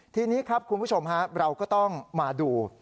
ทีนี้ครับคุณผู้ชมเราก็ต้องมาดู